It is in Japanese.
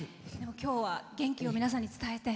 今日は、元気を皆さんに伝えて。